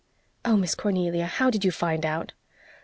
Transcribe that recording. "Oh, Miss Cornelia, how did you find out?"